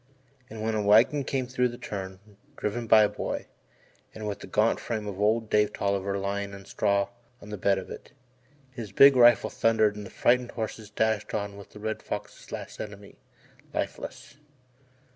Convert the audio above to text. And when a wagon came round the turn, driven by a boy, and with the gaunt frame of old Dave Tolliver lying on straw in the bed of it, his big rifle thundered and the frightened horses dashed on with the Red Fox's last enemy, lifeless.